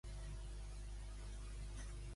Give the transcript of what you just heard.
Segons el president d'Andalusia, què cal per ells?